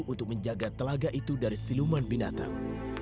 untuk menjaga telaga itu dari siluman binatang